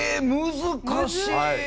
難しい。